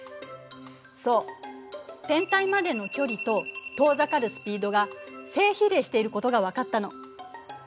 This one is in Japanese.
そう天体までの距離と遠ざかるスピードが正比例していることが分かったの。